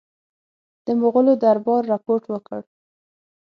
د مغولو دربار رپوټ ورکړ.